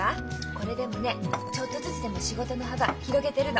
これでもねちょっとずつでも仕事の幅広げてるの。